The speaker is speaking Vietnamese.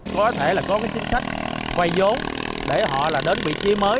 có thể là có chính sách quay vốn để họ đến vị trí mới